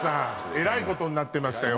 えらいことになってましたよ